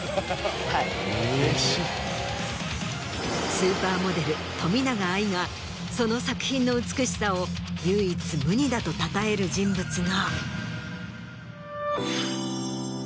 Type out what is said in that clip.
スーパーモデル冨永愛がその作品の美しさを唯一無二だとたたえる人物が。